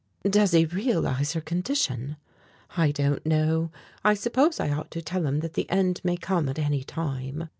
"Does he realize her condition?" "I don't know. I suppose I ought to tell him that the end may come at any time."